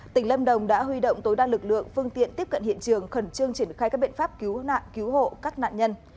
tỉnh lâm đồng đã huy động tối đa lực lượng phương tiện tiếp cận hiện trường khẩn trương triển khai các biện pháp cứu nạn cứu hộ các nạn nhân